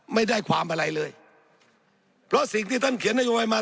ไม่ได้ความอะไรเลยเพราะสิ่งที่ท่านเขียนนโยบายมา